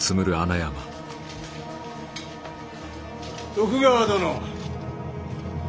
徳川殿。